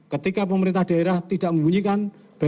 ketika pemerintah daerah tidak membunyikan